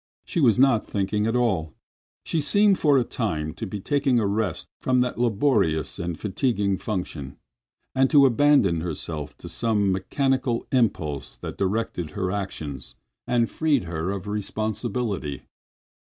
She was not thinking at all. She seemed for the time to be taking a rest from that laborious and fatiguing function and to have abandoned herself to some mechanical impulse that directed her actions and freed her of responsibility.